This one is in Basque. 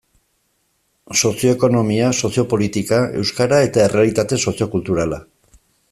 Sozio-ekonomia, sozio-politika, euskara eta errealitate sozio-kulturala.